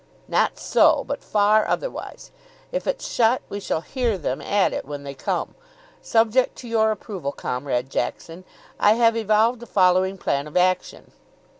"Not so, but far otherwise. If it's shut we shall hear them at it when they come. Subject to your approval, Comrade Jackson, I have evolved the following plan of action.